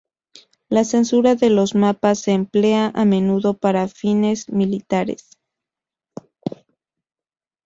La censura de los mapas se emplea a menudo para fines militares.